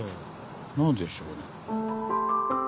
何でしょうね。